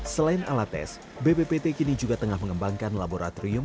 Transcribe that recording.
selain alat test bbpt kini juga tengah mengembangkan laboratorium